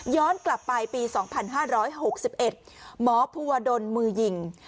ย้อนกลับไปปี๒๕๖๑หมอภูวดลเมื่อหญิง